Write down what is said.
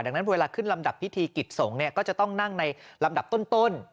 ดังนั้นเวลาขึ้นลำดับพิธีกิจสงฆ์ก็จะต้องนั่งในลำดับต้น